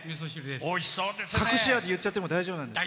隠し味言っちゃって大丈夫なんですか？